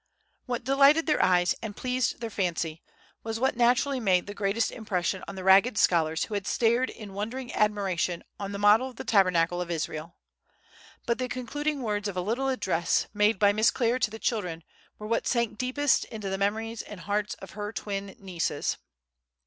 What delighted their eyes, and pleased their fancy, was what naturally made the greatest impression on the ragged scholars who had stared in wondering admiration on the model of the Tabernacle of Israel. But the concluding words of a little address made by Miss Clare to the children were what sank deepest into the memories and hearts of her twin nieces.